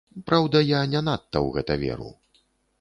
Праўда, я не надта ў гэта веру.